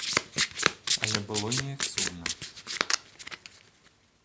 Але было неяк сумна.